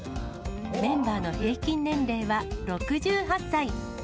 メンバーの平均年齢は６８歳。